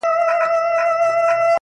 پېغلي څنگه د واده سندري وايي!!